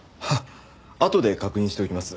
あとで確認しておきます。